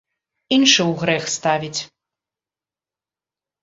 Іншы ў грэх ставіць.